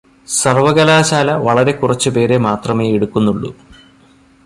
സർവകലാശാല വളരെ കുറച്ചുപേരെ മാത്രമേ എടുക്കുന്നുള്ളൂ